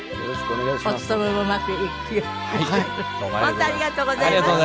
本当ありがとうございました。